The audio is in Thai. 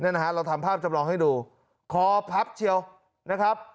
นะฮะเราทำภาพจำลองให้ดูคอพับเชียวนะครับ